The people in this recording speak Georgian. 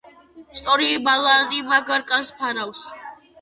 სწორი ბალანი მაგარ კანს ფარავს.